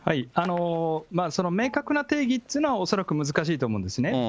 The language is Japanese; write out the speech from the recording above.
その明確な定義っていうのは、恐らく難しいと思うんですね。